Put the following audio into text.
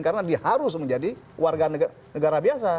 karena dia harus menjadi warga negara biasa